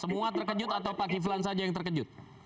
semua terkejut atau pak kiflan saja yang terkejut